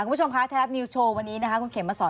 คุณผู้ชมคะไทยรัฐนิวส์โชว์วันนี้นะคะคุณเข็มมาสอน